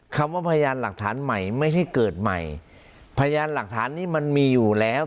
คำว่าพยานหลักฐานใหม่ไม่ใช่เกิดใหม่พยานหลักฐานนี้มันมีอยู่แล้ว